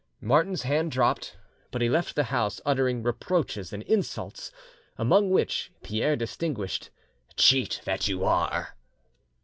Martin's hand dropped, but he left the house uttering reproaches and insults, among which Pierre distinguished— "Cheat that you are!"